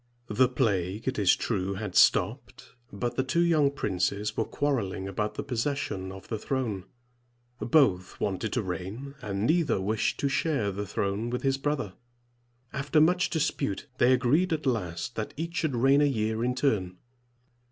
The plague, it is true, had stopped; but the two young princes were quarreling about the possession of the throne. Both wanted to reign, and neither wished to share the throne with his brother. After much dispute, they agreed at last that each should reign a year in turn.